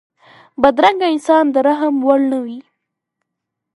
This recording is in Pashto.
بدرنګه انسان د رحم وړ نه وي